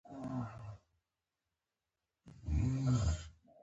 ځانته لوی هدفونه وټاکئ.